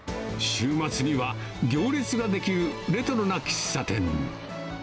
週末には行列が出来るレトロな喫茶店。